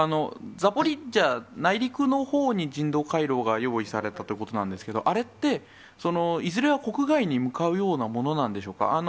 ザポリージャ、内陸のほうに人道回廊が用意されたということなんですけれども、あれって、いずれは国外に向かうようなものなんでしょうか。